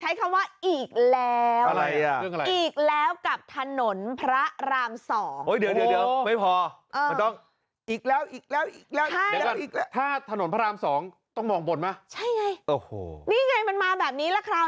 ใช้คำว่าอีกแล้วอีกแล้วกับถนนพระรามสองโอ้ยเดี๋ยว